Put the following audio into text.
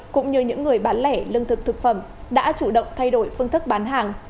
cũng như những người bán lẻ lương thực thực phẩm đã chủ động thay đổi phương thức bán hàng